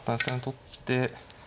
取って。